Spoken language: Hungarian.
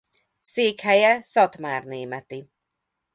Székhelye Szatmárnémeti.